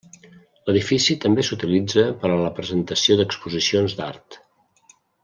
L'edifici també s'utilitza per a la presentació d'exposicions d'art.